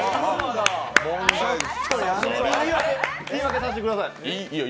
言い訳させてください。